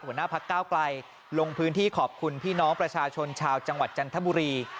หัวหน้าพักก้าวไกลลงพื้นที่ขอบคุณพี่น้องประชาชนชาวจังหวัดจันทบุรี